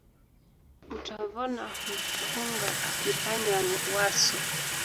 Utavona hupunga akifanya wasu.